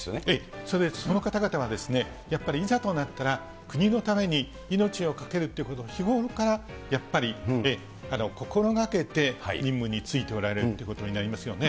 それはその方々がやっぱりいざとなったら、国のために命を懸けるっていうことを、日頃から心がけて、任務に就いておられるということになりますよね。